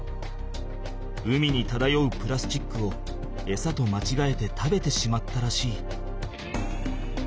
海にただようプラスチックをエサとまちがえて食べてしまったらしい。